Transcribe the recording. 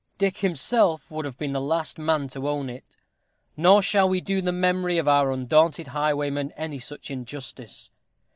Dick himself would have been the last man to own it; nor shall we do the memory of our undaunted highwayman any such injustice.